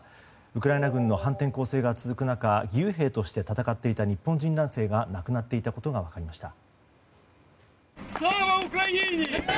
ウクライナ軍の反転攻勢が続く中義勇兵として戦っていた日本人男性が亡くなっていたことが分かりました。